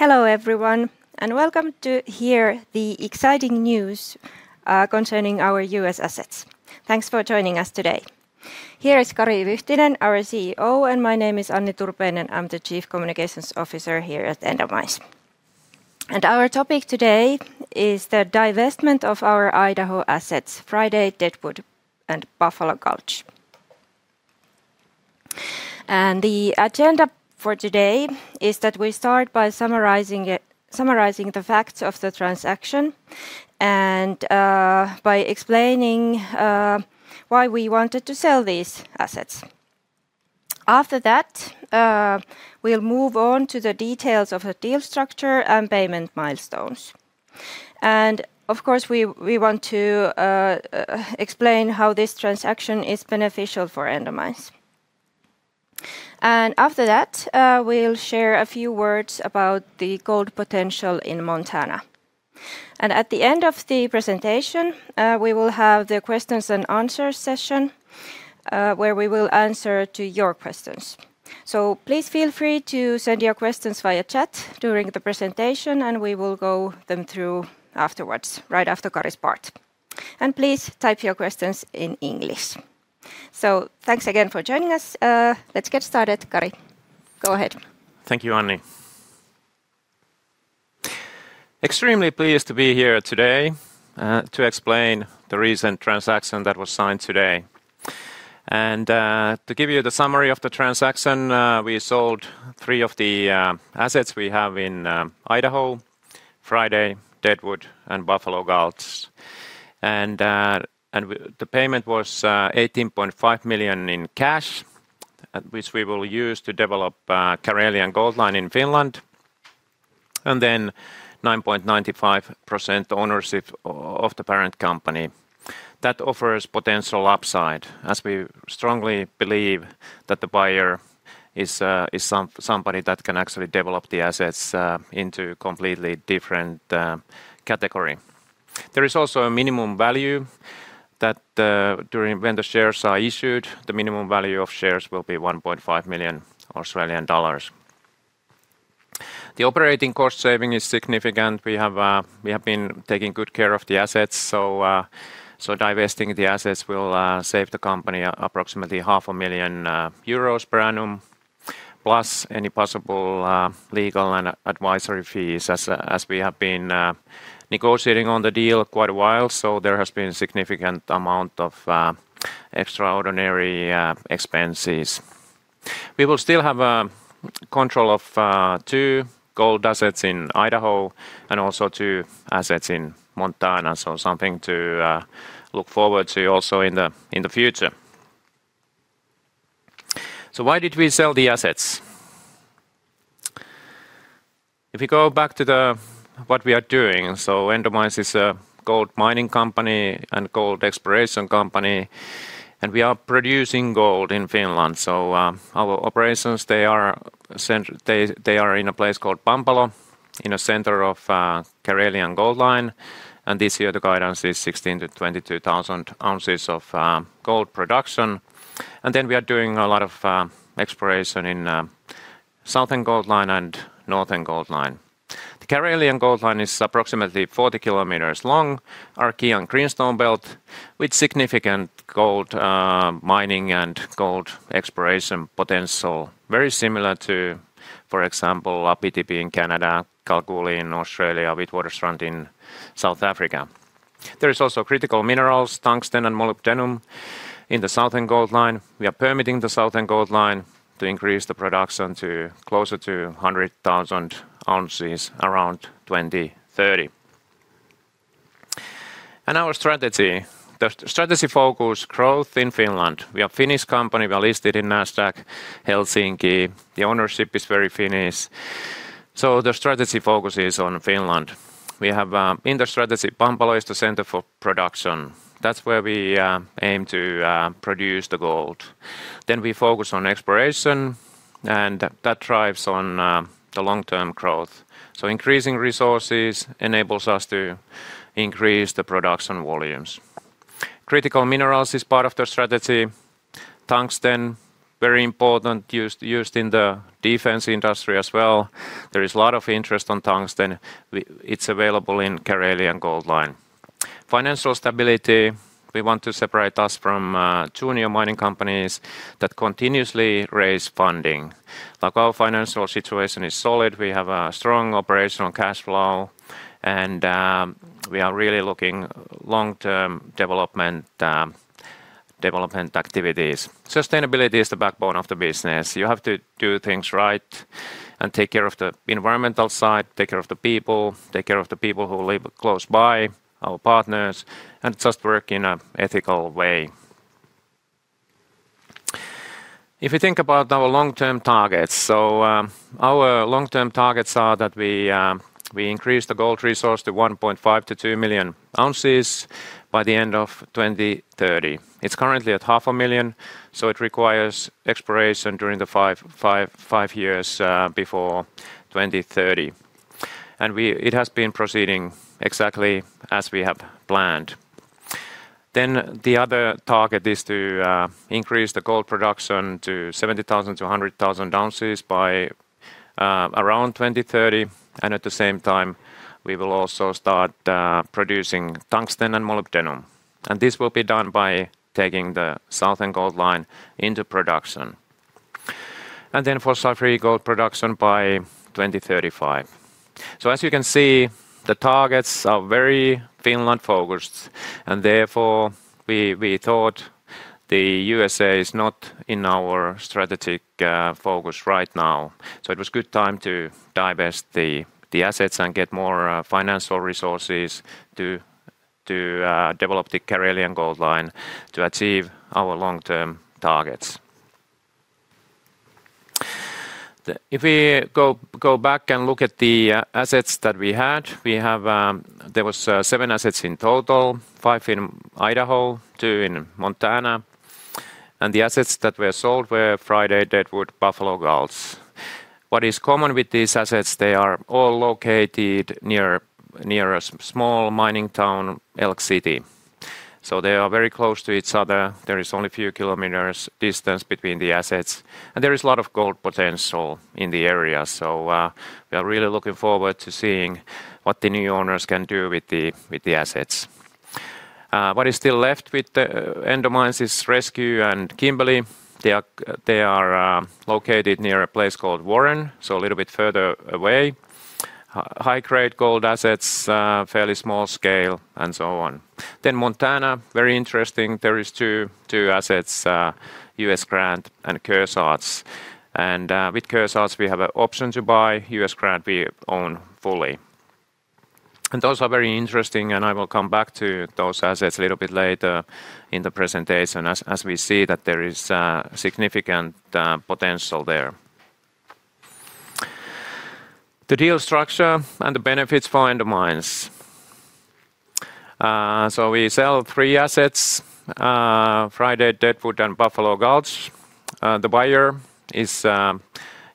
Hello everyone, and welcome to hear the exciting news concerning our U.S. assets. Thanks for joining us today. Here is Kari Vyhtinen, our CEO, and my name is Anni Turpeinen. I'm the Chief Communications Officer here at Endomines. Our topic today is the divestment of our Idaho assets: Friday, Deadwood, and Buffalo Gulch. The agenda for today is that we start by summarizing the facts of the transaction and by explaining why we wanted to sell these assets. After that, we'll move on to the details of the deal structure and payment milestones. Of course, we want to explain how this transaction is beneficial for Endomines. After that, we'll share a few words about the gold potential in Montana. At the end of the presentation, we will have the questions and answers session where we will answer your questions. Please feel free to send your questions via chat during the presentation, and we will go through them afterwards, right after Kari's part. Please type your questions in English. Thanks again for joining us. Let's get started, Kari. Go ahead. Thank you, Anni. Extremely pleased to be here today to explain the recent transaction that was signed today. To give you the summary of the transaction, we sold three of the assets we have in Idaho: Friday, Deadwood, and Buffalo Gulch. The payment was 18.5 million in cash, which we will use to develop the Karelian Gold Line in Finland, and then 9.95% ownership of the parent company. That offers potential upside, as we strongly believe that the buyer is somebody that can actually develop the assets into a completely different category. There is also a minimum value that when the shares are issued, the minimum value of shares will be 1.5 million Australian dollars. The operating cost saving is significant. We have been taking good care of the assets, so divesting the assets will save the company approximately 500,000 euros per annum, plus any possible legal and advisory fees, as we have been negotiating on the deal quite a while. There has been a significant amount of extraordinary expenses. We will still have control of two gold assets in Idaho and also two assets in Montana, so something to look forward to also in the future. Why did we sell the assets? If we go back to what we are doing, Endomines is a gold mining company and gold exploration company, and we are producing gold in Finland. Our operations, they are in a place called Pampalo, in the center of Karelian Gold Line. This year, the guidance is 16,000-22,000 ounces of gold production. We are doing a lot of exploration in Southern Gold Line and Northern Gold Line. The Karelian Gold Line is approximately 40 km long, our key greenstone belt, with significant gold mining and gold exploration potential, very similar to, for example, PTP in Canada, Kalgoorlie in Australia, with Waterfront in South Africa. There are also critical minerals, tungsten and molybdenum, in the Southern Gold Line. We are permitting the Southern Gold Line to increase the production to closer to 100,000 ounces around 2030. Our strategy, the strategy focus growth in Finland. We are a Finnish company. We are listed in Nasdaq, Helsinki. The ownership is very Finnish. The strategy focus is on Finland. We have in the strategy, Pampalo is the center for production. That's where we aim to produce the gold. We focus on exploration, and that drives on the long-term growth. Increasing resources enables us to increase the production volumes. Critical minerals is part of the strategy. Tungsten, very important, used in the defense industry as well. There is a lot of interest on tungsten. It's available in Karelian Gold Line. Financial stability. We want to separate us from junior mining companies that continuously raise funding. Our financial situation is solid. We have a strong operational cash flow, and we are really looking at long-term development activities. Sustainability is the backbone of the business. You have to do things right and take care of the environmental side, take care of the people, take care of the people who live close by, our partners, and just work in an ethical way. If you think about our long-term targets, our long-term targets are that we increase the gold resource to 1.5 million-2 million ounces by the end of 2030. It is currently at 500,000, so it requires exploration during the five years before 2030. It has been proceeding exactly as we have planned. The other target is to increase the gold production to 70,000-100,000 ounces by around 2030. At the same time, we will also start producing tungsten and molybdenum. This will be done by taking the Southern Gold Line into production. For sulphur gold production by 2035, the targets are very Finland-focused, and therefore we thought the U.S.A. is not in our strategic focus right now. It was a good time to divest the assets and get more financial resources to develop the Karelian Gold Line to achieve our long-term targets. If we go back and look at the assets that we had, there were seven assets in total, five in Idaho, two in Montana. The assets that were sold were Friday, Deadwood, Buffalo Gulch. What is common with these assets, they are all located near a small mining town, Elk City. They are very close to each other. There is only a few kilometers' distance between the assets. There is a lot of gold potential in the area. We are really looking forward to seeing what the new owners can do with the assets. What is still left with Endomines is Rescue and Kimberly. They are located near a place called Warren, a little bit further away. High-grade gold assets, fairly small scale, and so on. Montana, very interesting. There are two assets, U.S. Grant and Kearsarge. With Kearsarge, we have an option to buy U.S. Grant we own fully. Those are very interesting, and I will come back to those assets a little bit later in the presentation, as we see that there is significant potential there. The deal structure and the benefits for Endomines. We sell three assets, Friday, Deadwood, and Buffalo Gulch. The buyer is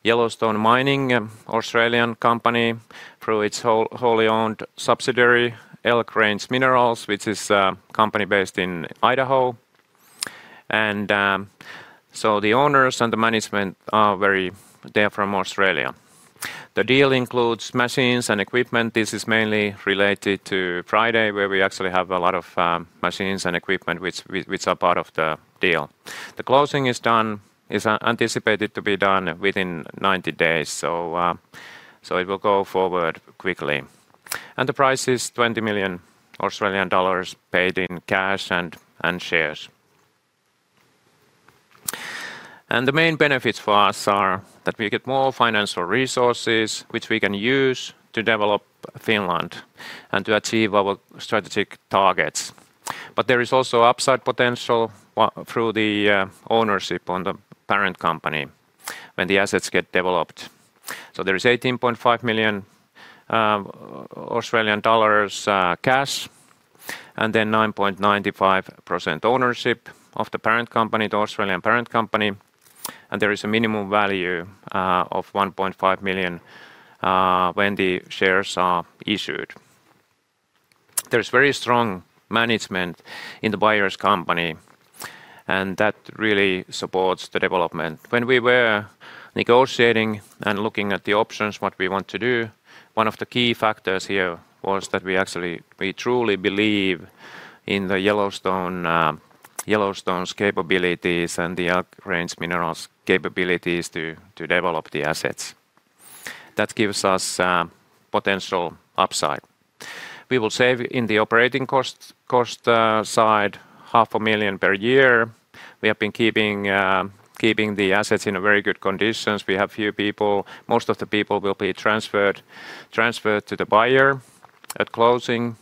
Yellowstone Mining, an Australian company, through its wholly owned subsidiary, Elk Range Minerals, which is a company based in Idaho. The owners and the management are very different from Australia. The deal includes machinery and equipment. This is mainly related to Friday, where we actually have a lot of machinery and equipment, which are part of the deal. The closing is done; it is anticipated to be done within 90 days, so it will go forward quickly. The price is 20 million Australian dollars paid in cash and shares. The main benefits for us are that we get more financial resources, which we can use to develop Finland and to achieve our strategic targets. There is also upside potential through the ownership on the parent company when the assets get developed. There is 18.5 million Australian dollars cash, and then 9.95% ownership of the parent company, the Australian parent company. There is a minimum value of 1.5 million when the shares are issued. There is very strong management in the buyer's company, and that really supports the development. When we were negotiating and looking at the options, what we want to do, one of the key factors here was that we actually truly believe in Yellowstone's capabilities and Elk Range Minerals' capabilities to develop the assets. That gives us potential upside. We will save in the operating cost side $500,000 per year. We have been keeping the assets in very good conditions. We have few people; most of the people will be transferred to the buyer at closing.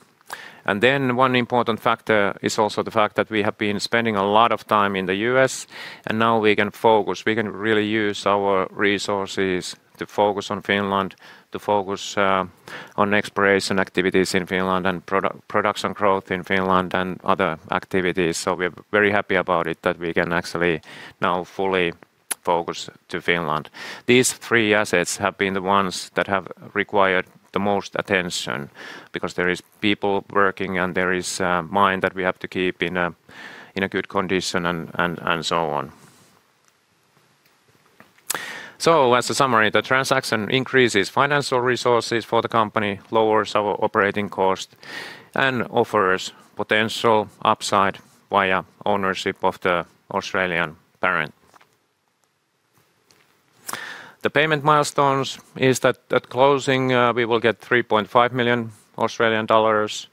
One important factor is also the fact that we have been spending a lot of time in the U.S., and now we can focus. We can really use our resources to focus on Finland, to focus on exploration activities in Finland and production growth in Finland and other activities. We are very happy about it that we can actually now fully focus to Finland. These three assets have been the ones that have required the most attention because there are people working, and there is a mine that we have to keep in a good condition and so on. As a summary, the transaction increases financial resources for the company, lowers our operating cost, and offers potential upside via ownership of the Australian parent. The payment milestones is that at closing we will get 3.5 million Australian dollars.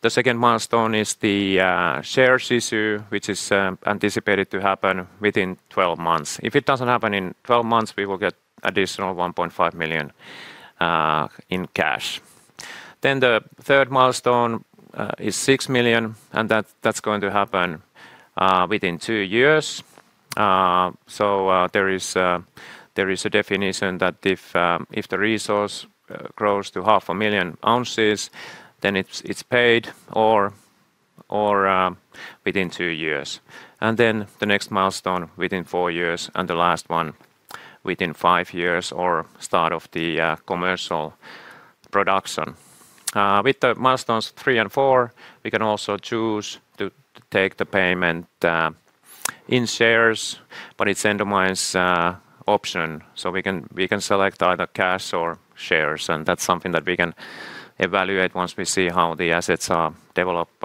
The second milestone is the shares issue, which is anticipated to happen within 12 months. If it does not happen in 12 months, we will get additional 1.5 million in cash. The third milestone is 6 million, and that is going to happen within two years. There is a definition that if the resource grows to 500,000 ounces, then it is paid within two years. The next milestone is within four years, and the last one is within five years or start of the commercial production. With milestones three and four, we can also choose to take the payment in shares, but it is Endomines option. We can select either cash or shares, and that's something that we can evaluate once we see how the assets are developed.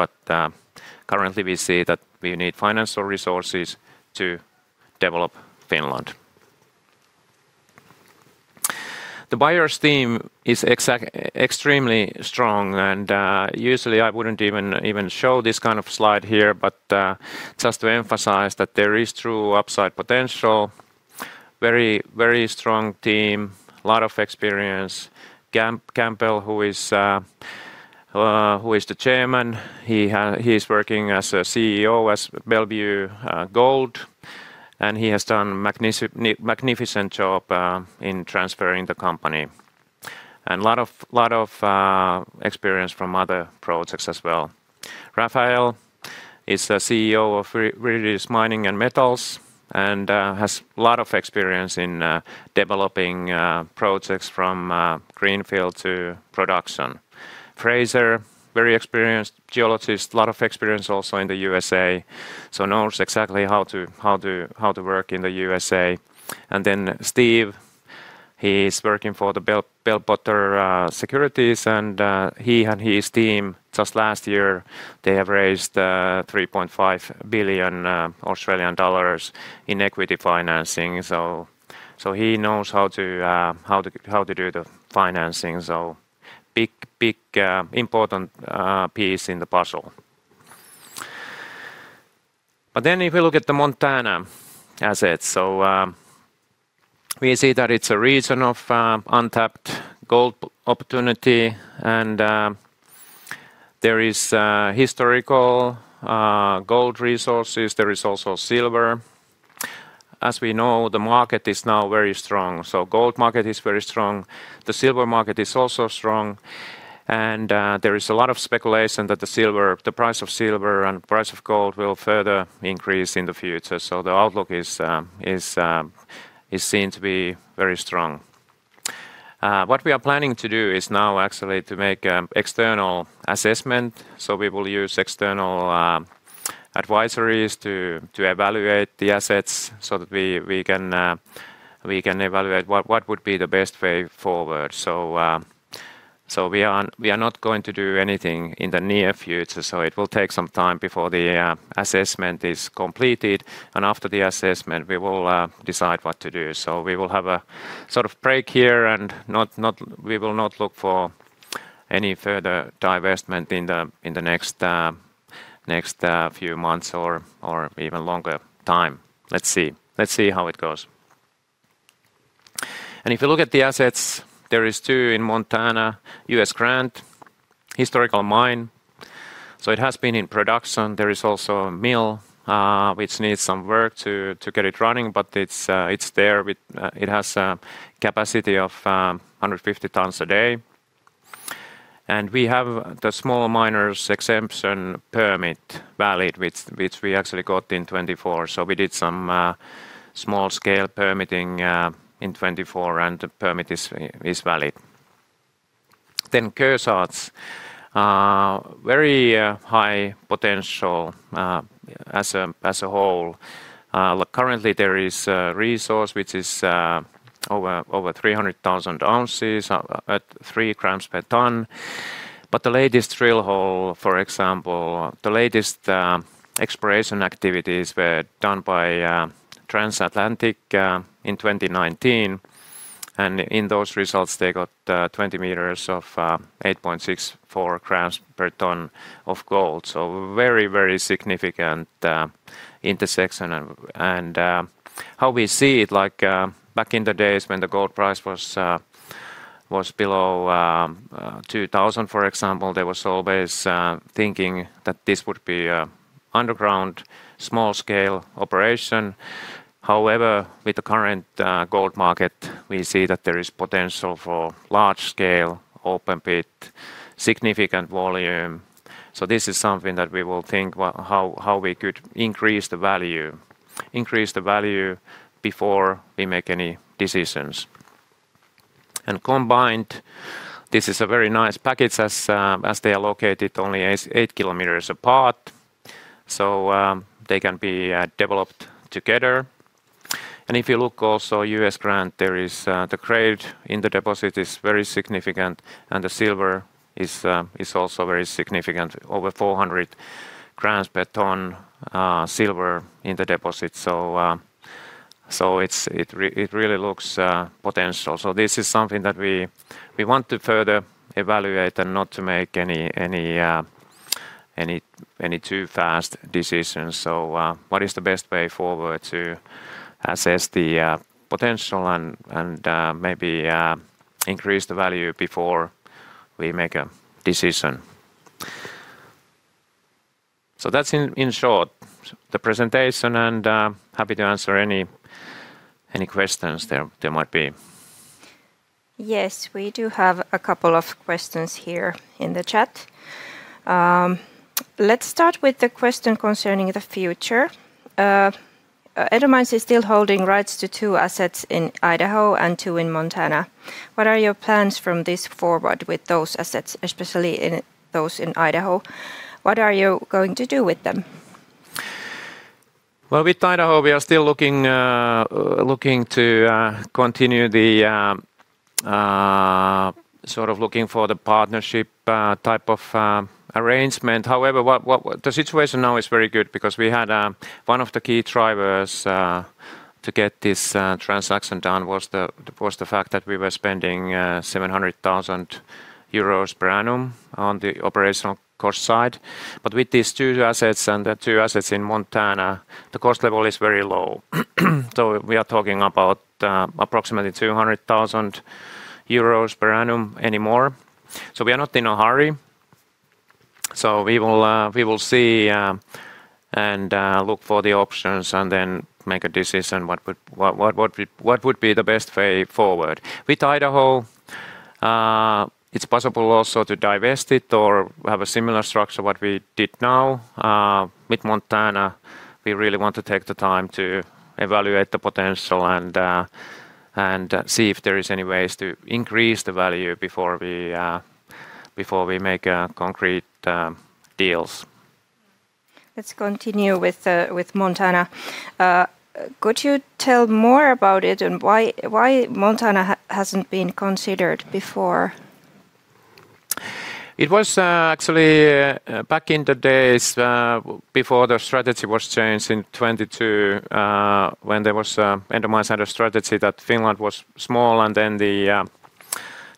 Currently, we see that we need financial resources to develop Finland. The buyer's team is extremely strong, and usually I wouldn't even show this kind of slide here, just to emphasize that there is true upside potential. Very strong team, a lot of experience. Campbell, who is the chairman, is working as CEO at Bellevue Gold, and he has done a magnificent job in transferring the company. A lot of experience from other projects as well. Rafael is the CEO of Ridge Mining and Metals and has a lot of experience in developing projects from greenfield to production. Fraser, very experienced geologist, a lot of experience also in the U.S.A. so knows exactly how to work in the U.S.A. Steve is working for Bell Potter Securities, and he and his team, just last year, have raised 3.5 billion Australian dollars in equity financing. He knows how to do the financing. Big, important piece in the puzzle. If we look at the Montana assets, we see that it is a region of untapped gold opportunity, and there are historical gold resources. There is also silver. As we know, the market is now very strong. The gold market is very strong. The silver market is also strong. There is a lot of speculation that the price of silver and the price of gold will further increase in the future. The outlook is seen to be very strong. What we are planning to do is now actually to make an external assessment. We will use external advisories to evaluate the assets so that we can evaluate what would be the best way forward. We are not going to do anything in the near future. It will take some time before the assessment is completed. After the assessment, we will decide what to do. We will have a sort of break here, and we will not look for any further divestment in the next few months or even longer time. Let's see how it goes. If you look at the assets, there are two in Montana, U.S. Grant, historical mine. It has been in production. There is also a mill, which needs some work to get it running, but it's there. It has a capacity of 150 tons a day. We have the small miners' exemption permit valid, which we actually got in 2024. We did some small-scale permitting in 2024, and the permit is valid. Kearsarge, very high potential as a whole. Currently, there is a resource which is over 300,000 ounces at 3 grams per ton. The latest drill hole, for example, the latest exploration activities were done by Transatlantic in 2019. In those results, they got 20 meters of 8.64 grams per ton of gold. Very, very significant intersection. How we see it, like back in the days when the gold price was below $2,000, for example, there was always thinking that this would be an underground, small-scale operation. However, with the current gold market, we see that there is potential for large-scale open pit, significant volume. This is something that we will think about, how we could increase the value, increase the value before we make any decisions. Combined, this is a very nice package as they are located only 8 km apart. They can be developed together. If you look also at U.S. Grant, the grade in the deposit is very significant, and the silver is also very significant, over 400 grams per ton silver in the deposit. It really looks potential. This is something that we want to further evaluate and not to make any too fast decisions. What is the best way forward to assess the potential and maybe increase the value before we make a decision? That is in short the presentation, and happy to answer any questions there might be. Yes, we do have a couple of questions here in the chat. Let's start with the question concerning the future. Endomines is still holding rights to two assets in Idaho and two in Montana. What are your plans from this forward with those assets, especially those in Idaho? What are you going to do with them? With Idaho, we are still looking to continue the sort of looking for the partnership type of arrangement. However, the situation now is very good because one of the key drivers to get this transaction done was the fact that we were spending 700,000 euros per annum on the operational cost side. With these two assets and the two assets in Montana, the cost level is very low. We are talking about approximately 200,000 euros per annum anymore. We are not in a hurry. We will see and look for the options and then make a decision what would be the best way forward. With Idaho, it is possible also to divest it or have a similar structure to what we did now. With Montana, we really want to take the time to evaluate the potential and see if there are any ways to increase the value before we make concrete deals. Let's continue with Montana. Could you tell more about it and why Montana hasn't been considered before? It was actually back in the days before the strategy was changed in 2022 when there was an Endomines strategy that Finland was small and then the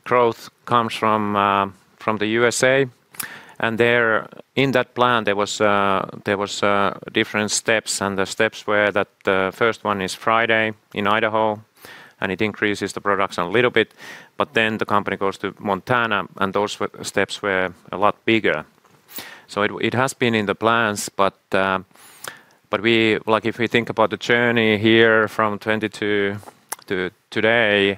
growth comes from the U.S.A. In that plan, there were different steps, and the steps were that the first one is Friday in Idaho, and it increases the production a little bit. The company goes to Montana, and those steps were a lot bigger. It has been in the plans, but if we think about the journey here from 2022 to today,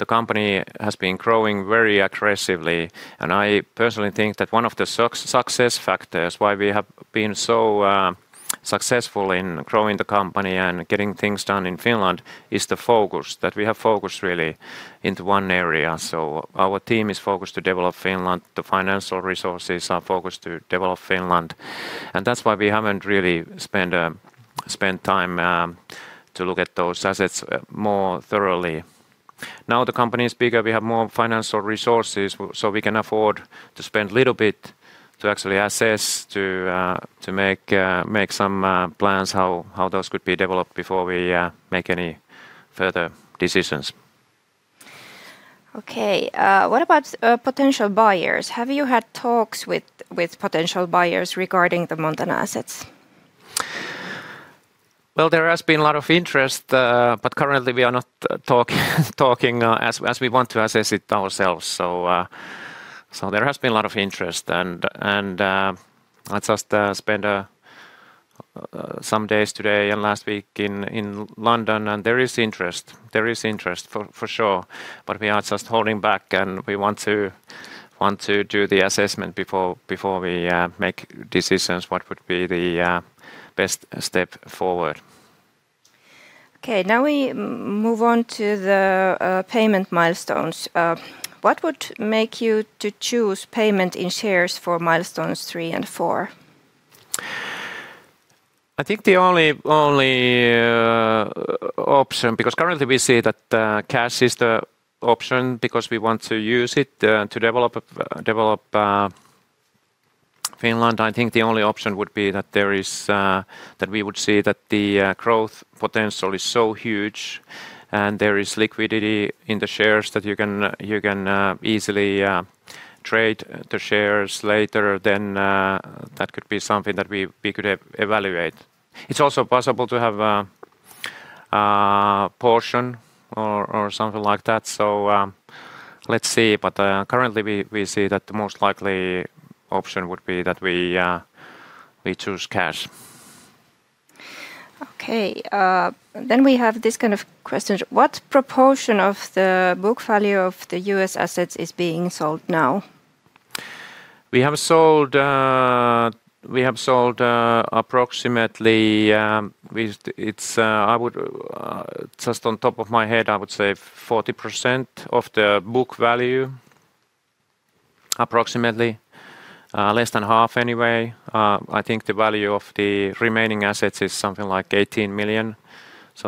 the company has been growing very aggressively. I personally think that one of the success factors why we have been so successful in growing the company and getting things done in Finland is the focus that we have focused really into one area. Our team is focused to develop Finland. The financial resources are focused to develop Finland. That is why we have not really spent time to look at those assets more thoroughly. Now the company is bigger. We have more financial resources, so we can afford to spend a little bit to actually assess, to make some plans how those could be developed before we make any further decisions. Okay. What about potential buyers? Have you had talks with potential buyers regarding the Montana assets? There has been a lot of interest, but currently we are not talking as we want to assess it ourselves. There has been a lot of interest, and I just spent some days today and last week in London, and there is interest. There is interest for sure, but we are just holding back, and we want to do the assessment before we make decisions what would be the best step forward. Okay. Now we move on to the payment milestones. What would make you choose payment in shares for milestones three and four? I think the only option, because currently we see that cash is the option because we want to use it to develop Finland, I think the only option would be that we would see that the growth potential is so huge and there is liquidity in the shares that you can easily trade the shares later, then that could be something that we could evaluate. It's also possible to have a portion or something like that, so let's see. Currently we see that the most likely option would be that we choose cash. Okay. We have this kind of question. What proportion of the book value of the U.S. assets is being sold now? We have sold approximately, just on top of my head, I would say 40% of the book value, approximately less than half anyway. I think the value of the remaining assets is something like $18 million.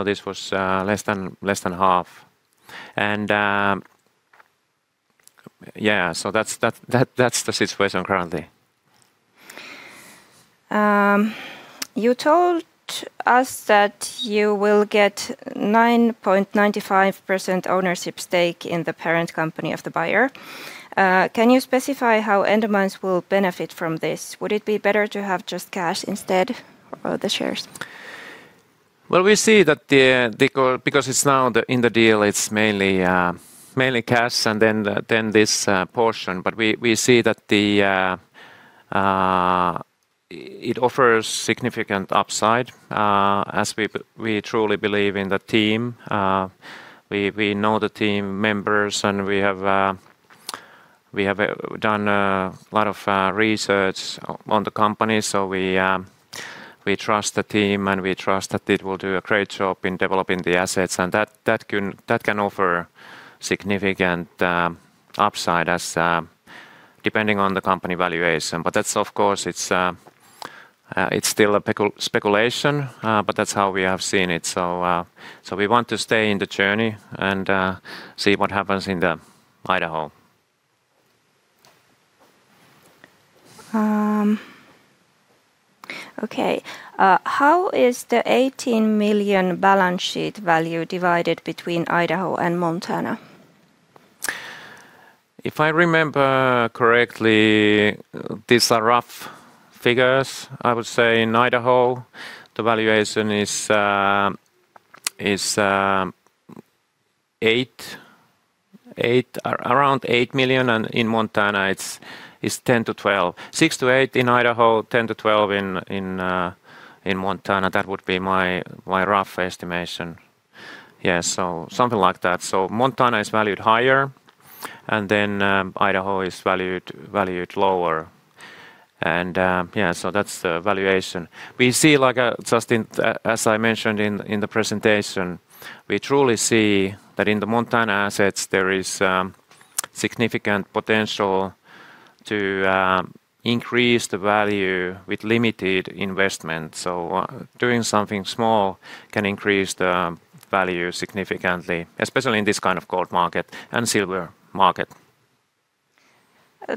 This was less than half. Yeah, that's the situation currently. You told us that you will get 9.95% ownership stake in the parent company of the buyer. Can you specify how Endomines will benefit from this? Would it be better to have just cash instead or the shares? We see that because it's now in the deal, it's mainly cash and then this portion. We see that it offers significant upside as we truly believe in the team. We know the team members, and we have done a lot of research on the company. We trust the team, and we trust that it will do a great job in developing the assets. That can offer significant upside depending on the company valuation. Of course, it's still speculation, but that's how we have seen it. We want to stay in the journey and see what happens in Idaho. Okay. How is the 18 million balance sheet value divided between Idaho and Montana? If I remember correctly, these are rough figures. I would say in Idaho, the valuation is around 8 million, and in Montana, it's 10 million- 12 million. 6 million - 8 million in Idaho, 10 million - 12 million in Montana. That would be my rough estimation. Yeah, something like that. Montana is valued higher, and Idaho is valued lower. Yeah, that is the valuation. We see, just as I mentioned in the presentation, we truly see that in the Montana assets, there is significant potential to increase the value with limited investment. Doing something small can increase the value significantly, especially in this kind of gold market and silver market.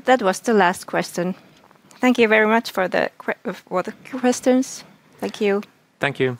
That was the last question. Thank you very much for the questions. Thank you. Thank you.